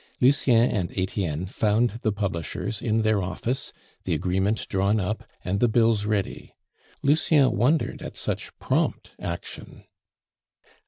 Lucien and Etienne found the publishers in their office, the agreement drawn up, and the bills ready. Lucien wondered at such prompt action.